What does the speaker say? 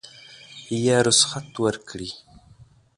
یا رخصت ورکړي.